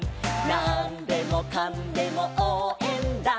「なんでもかんでもおうえんだ！！」